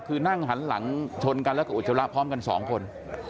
คือนั่งหันหลังชนกันแล้วก็อุจจาระพร้อมกันสองคน